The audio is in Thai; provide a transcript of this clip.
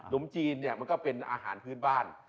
มจีนเนี่ยมันก็เป็นอาหารพื้นบ้าน